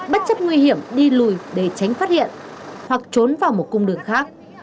bất chấp nguy hiểm đi lùi để tránh phát hiện hoặc trốn vào một cung đường khác